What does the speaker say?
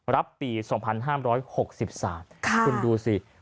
รับปี๒๕๖๓คุณดูสิ